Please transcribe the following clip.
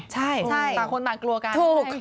ใช่ต่างคนต่างกลัวกันถูก